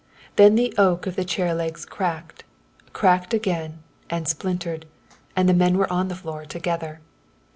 Then the oak of the chair legs cracked, cracked again, and splintered, and the men were on the floor together.